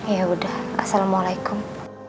ya udah assalamualaikum